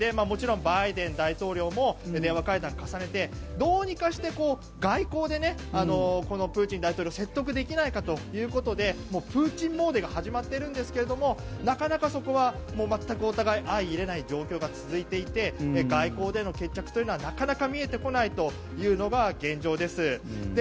もちろんバイデン大統領も電話会談を重ねてどうにかして外交でこのプーチン大統領を説得できないかということでプーチン詣でが始まってるんですけどもなかなかそこは、全くお互い相いれない状況が続いていて外交での決着というのがなかなか見えてこないというのが現状です。